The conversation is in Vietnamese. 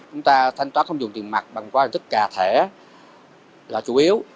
chúng ta thanh toán không dùng tiền mặt bằng quá trình thức cà thẻ là chủ yếu